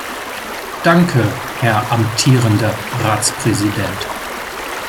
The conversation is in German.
Danke, Herr amtierender Ratspräsident!